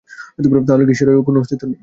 তাহলে কি ঈশ্বরের অস্তিত্ব নেই?